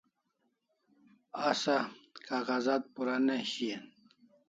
Asa kag'azat pura ne shian